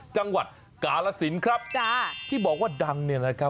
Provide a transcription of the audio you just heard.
จังหวัดกาลสินครับจ้าที่บอกว่าดังเนี่ยนะครับ